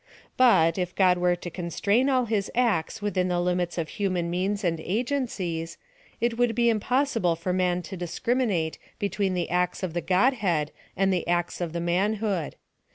But, if God were to constrain all his acts within the limits of human .neans and agencies, it would be impossible for man to discriminate between the acts of the Godhead and the acts of the manhood.